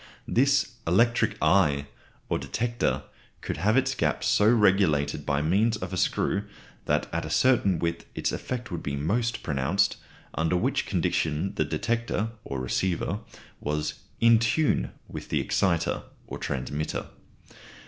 This "electric eye," or detector, could have its gap so regulated by means of a screw that at a certain width its effect would be most pronounced, under which condition the detector, or receiver, was "in tune" with the exciter, or transmitter.